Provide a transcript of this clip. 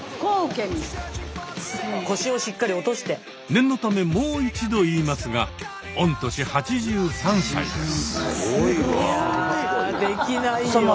念のためもう一度言いますが御年８３歳です。